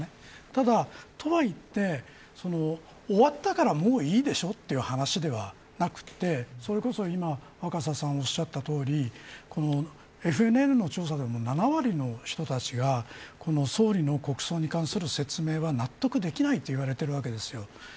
ただ、とはいっても終わったからもういいでしょという話ではなくてそれこそ若狭さんがおっしゃったとおりＦＮＮの調査でも７割の人たちが総理の国葬に関する説明には納得できないといわれているわけです。